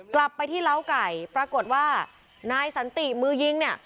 กลับไปที่เล้าไก่ปรากฏว่านายสันติมือยิงเนี่ย